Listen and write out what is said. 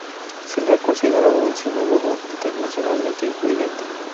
Se le ha considerado un sinólogo internacionalmente influyente.